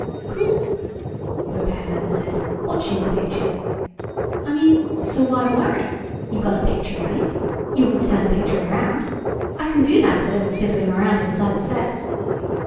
"Cool," the repairman said, watching the picture. "I mean, so why worry? You got a picture, right? You want me to turn the picture around? I can do that with a little fiddling around inside the set